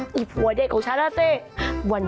อีกหัวเด็กของฉันแล้วสิ